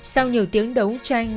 sau nhiều tiếng đấu tranh